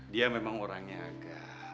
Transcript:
dia memang orangnya agak